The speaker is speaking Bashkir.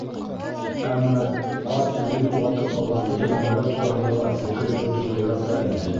Әммә ҡарт үҙен уратып алған бөтә нәмәләр тураһында ла фекер йөрөтөргә ярата ине.